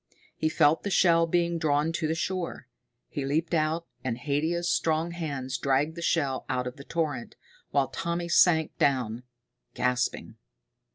He felt the shell being drawn to the shore. He leaped out, and Haidia's strong hands dragged the shell out of the torrent, while Tommy sank down, gasping.